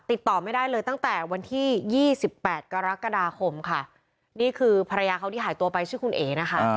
ติดต่อไม่ได้เลยตั้งแต่วันที่๒๘กรกฎาคมค่ะนี่คือภรรยาเขาที่หายตัวไปชื่อคุณเอ๋นะคะ